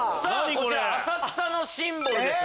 こちら浅草のシンボルですね。